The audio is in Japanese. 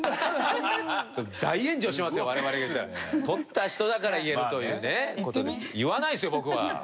トシ：言わないですよ、僕は。